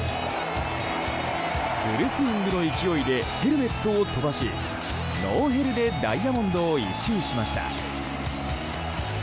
フルスイングの勢いでヘルメットを飛ばしノーヘルでダイヤモンドを１周しました。